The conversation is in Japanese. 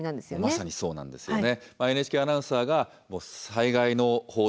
まさにそうなんですよね。